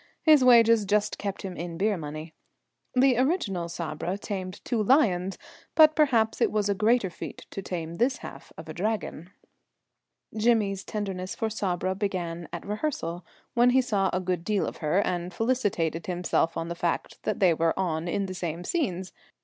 His wages just kept him in beer money. The original Sabra tamed two lions, but perhaps it was a greater feat to tame this half of a Dragon. Jimmy's tenderness for Sabra began at rehearsal, when he saw a good deal of her, and felicitated himself on the fact that they were on in the same scenes.